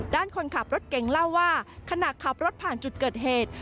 คนขับรถเก่งเล่าว่าขณะขับรถผ่านจุดเกิดเหตุ